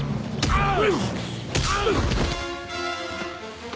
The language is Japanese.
あっ！